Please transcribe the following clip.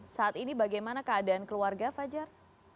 saat ini bagaimana keadaan keluarga fajar